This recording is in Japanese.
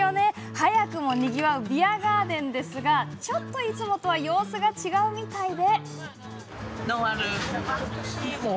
早くもにぎわうビアガーデンですがちょっといつもと様子が違うみたいで。